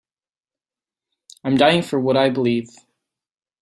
I'm dying for what I believe.